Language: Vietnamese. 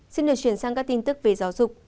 xin được chuyển sang các tin tức về giáo dục